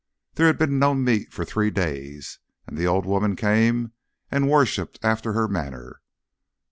There had been no meat for three days. And the old woman came and worshipped after her manner.